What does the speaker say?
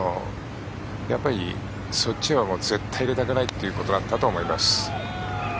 やっぱりそっちは絶対入れたくないということだったと思います。